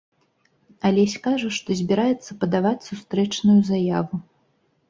Алесь кажа, што збіраецца падаваць сустрэчную заяву.